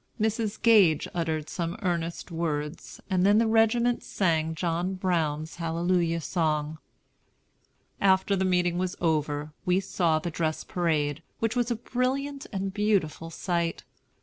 Mrs. Gage uttered some earnest words, and then the regiment sang John Brown's Hallelujah Song. After the meeting was over, we saw the dress parade, which was a brilliant and beautiful sight.